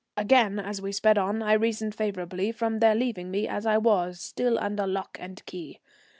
Again, as we sped on, I reasoned favourably from their leaving me as I was, still under lock and key.